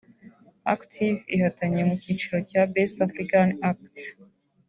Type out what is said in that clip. Active ihatanye mu cyiciro cya ‘Best African Act’